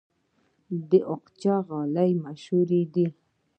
د اقچې غالۍ مشهورې دي